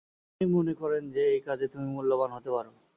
উনি মনে করেন যে এই কাজে তুমি মূল্যবান হতে পারো।